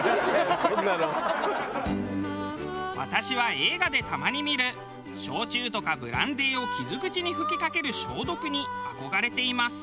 私は映画でたまに見る焼酎とかブランデーを傷口に吹きかける消毒に憧れています。